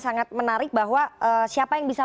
sangat menarik bahwa siapa yang bisa